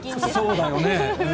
そうだよね。